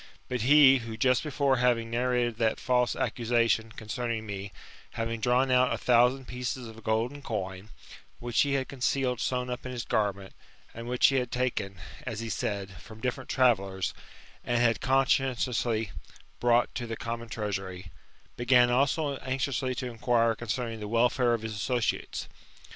But he, who just before had narrated that false accusation concerning me, having drawn out a thousand pieces^ of golden coin, which iie had concealed sewn up in his garment, and which he had taken, as he said, from different travellers, and had conscientiously brought to the common treasury, began also anxiously to inquire concerning the welfare of his associates.